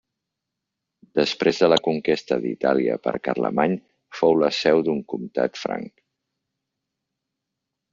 Després de la conquesta d'Itàlia per Carlemany fou la seu d'un comtat franc.